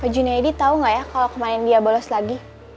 pajun edi tau gak ya kalo kemarin dia bolos lagi